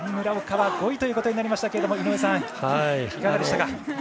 村岡は５位となりましたが井上さん、いかがでしたか？